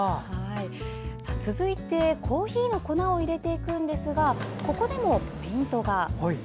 続いて、コーヒーの粉を入れていくんですがここでもポイントが。